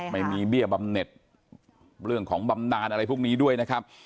เบี้ยบำเน็ตเรื่องของบำนานอะไรพวกนี้ด้วยนะครับ